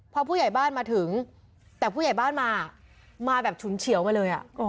พอผู้ใหญ่บ้านมาถึงแต่ผู้ใหญ่บ้านมามาแบบฉุนเฉียวมาเลย